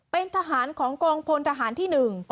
เป็นทหารของกองพลทหารที่๑